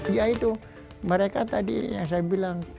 ya itu mereka tadi yang saya bilang